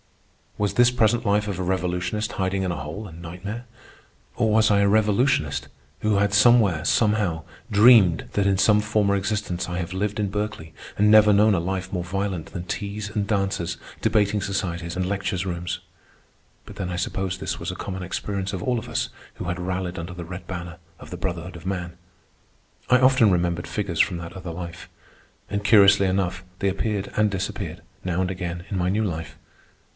Was this present life of a revolutionist, hiding in a hole, a nightmare? or was I a revolutionist who had somewhere, somehow, dreamed that in some former existence I have lived in Berkeley and never known of life more violent than teas and dances, debating societies, and lecture rooms? But then I suppose this was a common experience of all of us who had rallied under the red banner of the brotherhood of man. I often remembered figures from that other life, and, curiously enough, they appeared and disappeared, now and again, in my new life.